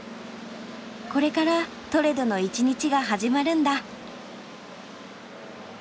これからトレドの一日が始まるんだ。